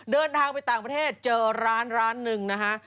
เดินทางไปต่างประเทศเจอร้านร้านหนึ่งนะฮะ